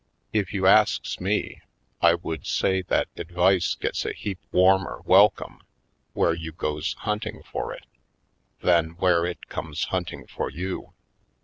If you asks me, I would say that advice gets a heap warmer welcome where you goes hunting for it than where it comes hunting for you.